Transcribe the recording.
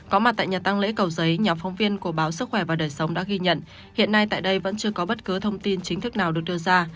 có mặt tại nhà tăng lễ cầu giấy nhóm phóng viên của báo sức khỏe và đời sống đã ghi nhận hiện nay tại đây vẫn chưa có bất cứ thông tin chính thức nào được đưa ra